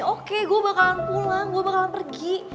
oke gue bakalan pulang gue bakalan pergi